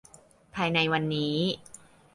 ภายในวันนี้